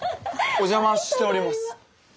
お邪魔しております。